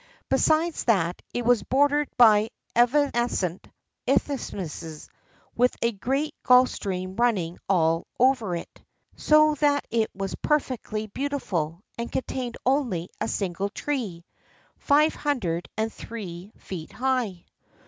Besides that, it was bordered by evanescent isthmuses, with a great gulf stream running about all over it; so that it was perfectly beautiful, and contained only a single tree, five hundred and three feet high.